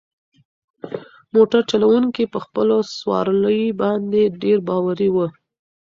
موټر چلونکی په خپلو سوارلۍ باندې ډېر باوري و.